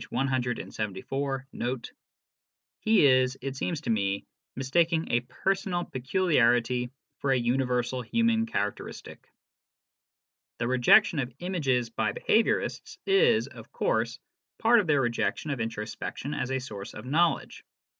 174^), he is, it seems to me, mistaking a personal peculiarity for a universal human characteristic. The rejection of images by behaviourists is, of course, part of their rejection of introspection as a source of knowledge.